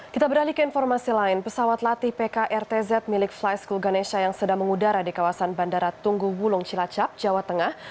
kita beralih ke informasi lain pesawat latih pkrtz milik fly school ganesha yang sedang mengudara di kawasan bandara tunggu wulung cilacap jawa tengah